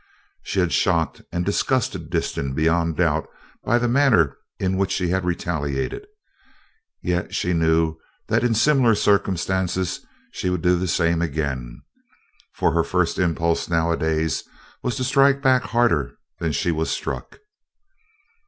She had shocked and disgusted Disston beyond doubt by the manner in which she had retaliated, yet she knew that in similar circumstances she would do the same again, for her first impulse nowadays was to strike back harder than she was struck.